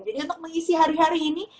jadi untuk mengisi hari hari ini